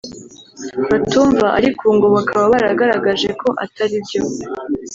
batumva ariko ubu ngo bakaba baragaragaje ko atari byo